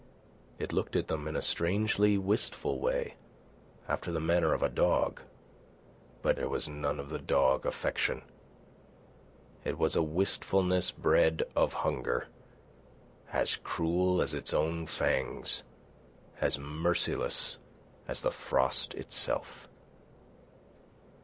It looked at them in a strangely wistful way, after the manner of a dog; but in its wistfulness there was none of the dog affection. It was a wistfulness bred of hunger, as cruel as its own fangs, as merciless as the frost itself.